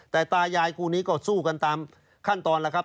แต่ตายายคู่นี้ก็สู้กันตามขั้นตอนแล้วครับ